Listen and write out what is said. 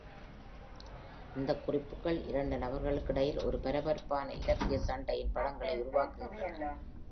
இந்த குறிப்புகள் இரண்டு நபர்களுக்கிடையில் ஒரு பரபரப்பான இலக்கிய சண்டையின் படங்களை உருவாக்குகின்றன.